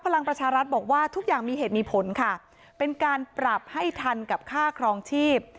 พลังประชารัฐบอกว่าทุกอย่างมีเหตุมีผลค่ะเป็นการปรับให้ทันกับค่าครองชีพ